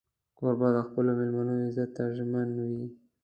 کوربه د خپلو مېلمنو عزت ته ژمن وي.